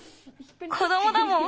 子どもだもん。